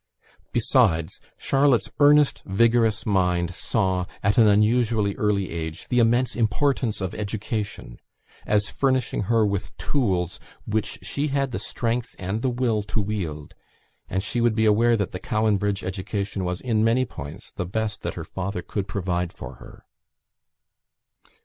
Besides, Charlotte's earnest vigorous mind saw, at an unusually early age, the immense importance of education, as furnishing her with tools which she had the strength and the will to wield, and she would be aware that the Cowan Bridge education was, in many points, the best that her father could provide for her.